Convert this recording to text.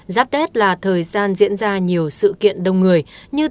giáp tết là thời gian diễn ra nhiều sự kiện đông người như